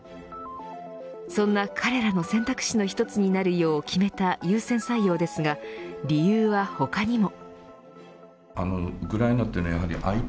そんな彼らの選択肢の一つになるよう決めた優先採用ですが、理由は他にも。